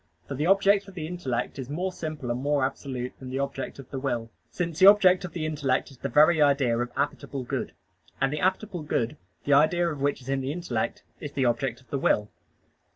For the object of the intellect is more simple and more absolute than the object of the will; since the object of the intellect is the very idea of appetible good; and the appetible good, the idea of which is in the intellect, is the object of the will.